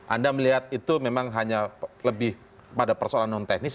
anda melihat itu memang hanya lebih pada persoalan non teknis